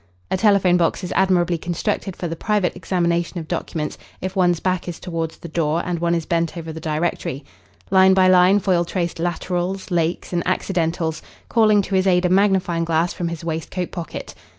A telephone box is admirably constructed for the private examination of documents if one's back is towards the door and one is bent over the directory. Line by line Foyle traced "laterals," "lakes," and "accidentals," calling to his aid a magnifying glass from his waistcoat pocket.